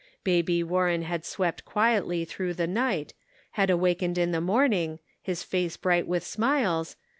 Baby Warren had slept quietly through the night, had awakened in the morning, his face bright with smiles